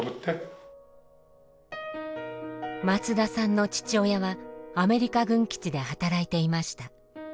松田さんの父親はアメリカ軍基地で働いていました。